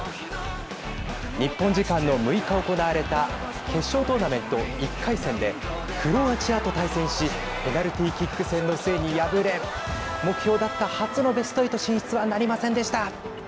日本時間の６日行われた決勝トーナメント１回戦でクロアチアと対戦しペナルティーキック戦の末に敗れ目標だった初のベスト８進出はなりませんでした。